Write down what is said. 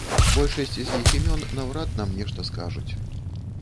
Большасць з іх імён наўрад нам нешта скажуць.